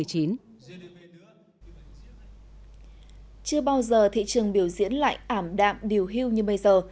chưa bao giờ thị trường biểu diễn lại ảm đạm điều hưu như bây giờ